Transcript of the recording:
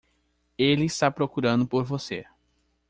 Ele está procurando por você.